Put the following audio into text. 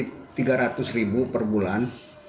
dari rp tiga ratus per bulan